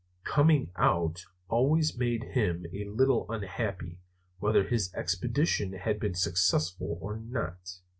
"Coming out" always made him a little unhappy, whether his expedition had been successful or not.